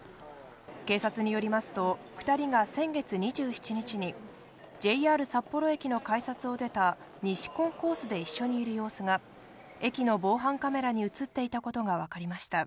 警察によりますと、２人が先月２７日に、ＪＲ札幌駅の改札を出た西コンコースで一緒にいる様子が、駅の防犯カメラに写っていたことが分かりました。